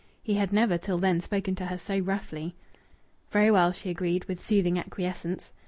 He had never till then spoken to her so roughly. "Very well," she agreed, with soothing acquiescence.